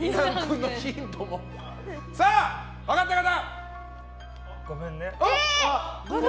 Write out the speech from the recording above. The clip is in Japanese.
さあ、分かった方？